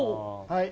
はい。